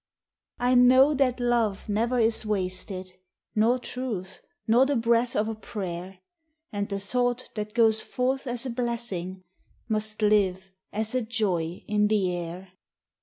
I know that love never is wasted, Nor truth, nor the breath of a prayer; And the. thought that goes forth as a blessing Must live, as a joy in the air.